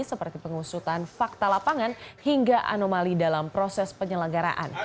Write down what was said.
seperti pengusutan fakta lapangan hingga anomali dalam proses penyelenggaraan